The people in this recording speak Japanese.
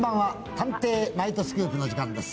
「探偵ナイトスクープ」の時間です。